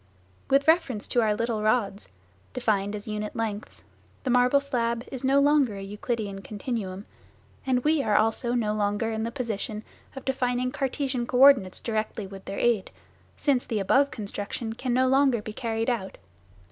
With reference to our little rods defined as unit lengths the marble slab is no longer a Euclidean continuum, and we are also no longer in the position of defining Cartesian co ordinates directly with their aid, since the above construction can no longer be carried out.